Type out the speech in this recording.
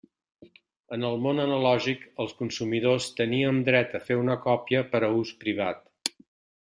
En el món analògic, els consumidors teníem dret a fer una còpia per a ús privat.